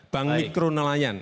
bank mikro nelayan